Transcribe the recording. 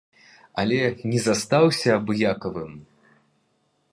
Але не застаўся абыякавым.